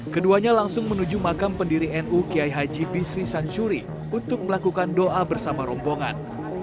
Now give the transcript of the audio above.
keduanya langsung menuju makam pendiri nu kiai haji bisri sansuri untuk melakukan doa bersama rombongan